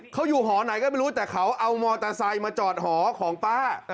เขาอยู่หอไหนก็ไม่รู้แต่เขาเอามอเตอร์ไซค์มาจอดหอของป้า